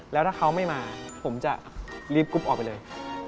แล้วถ้าเขาไม่มาผมจะรีบกรุ๊ปออกไปเลย